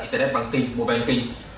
internet bán kinh mua bán kinh